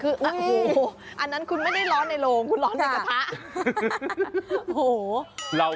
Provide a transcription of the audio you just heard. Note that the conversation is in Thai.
คือโอ้โหอันนั้นคุณไม่ได้ร้อนในโรงคุณร้อนในกระทะ